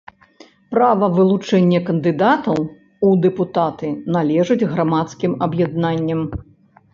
Права вылучэння кандыдатаў у дэпутаты належыць грамадскім аб’яднанням.